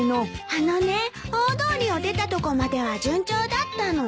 あのね大通りを出たとこまでは順調だったの。